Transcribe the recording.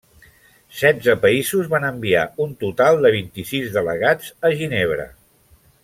Setze països van enviar un total de vint-i-sis delegats a Ginebra.